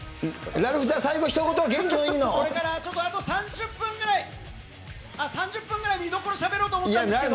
ラルフ、じゃあ、最後ひと言、これからちょっとあと３０分ぐらい、見どころしゃべろうと思ってたんですけど。